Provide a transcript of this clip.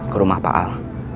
ke rumah pak al